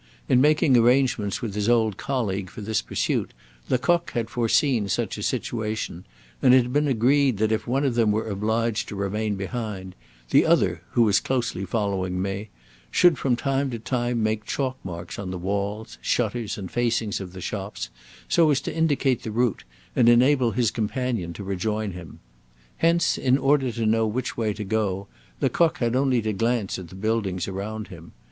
In making arrangements with his old colleague for this pursuit Lecoq had foreseen such a situation, and it had been agreed that if one of them were obliged to remain behind, the other, who was closely following May, should from time to time make chalk marks on the walls, shutters, and facings of the shops, so as to indicate the route, and enable his companion to rejoin him. Hence, in order to know which way to go, Lecoq had only to glance at the buildings around him.